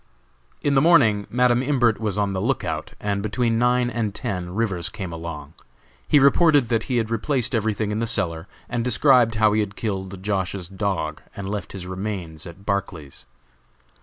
In the morning Madam Imbert was on the lookout, and between nine and ten Rivers came along. He reported that he had replaced everything in the cellar, and described how he had killed Josh.'s dog and left his remains at Barclay's.